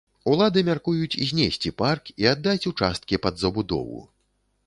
Улады мяркуюць знесці парк і аддаць участкі пад забудову.